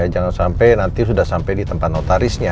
jangan sampai nanti sudah sampai di tempat notarisnya